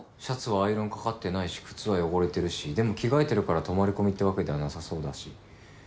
シャツはアイロンかかってないし靴は汚れてるしでも着替えてるから泊まり込みってわけではなさそうだし。